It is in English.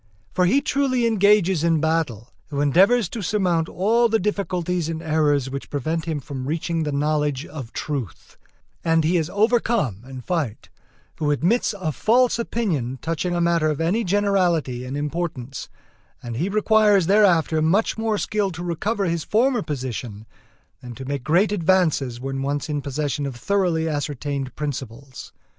For he truly engages in battle who endeavors to surmount all the difficulties and errors which prevent him from reaching the knowledge of truth, and he is overcome in fight who admits a false opinion touching a matter of any generality and importance, and he requires thereafter much more skill to recover his former position than to make great advances when once in possession of thoroughly ascertained principles.